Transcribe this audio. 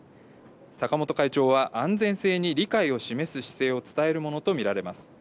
坂本会長は、安全性に理解を示す姿勢を伝えるものと見られます。